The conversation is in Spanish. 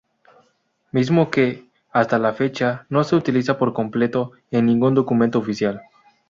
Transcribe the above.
Mismo que, hasta la fecha, no se utiliza por completo en ningún documento oficial.